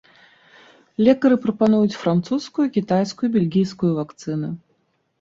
Лекары прапануюць французскую, кітайскую і бельгійскую вакцыну.